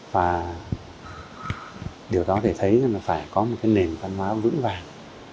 và điều đó để thấy là phải có một cái nền văn hóa vững vàng